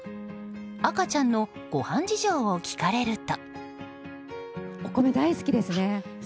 赤ちゃんのご飯事情を聞かれると。